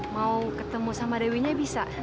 mau ketemu sama dewinya bisa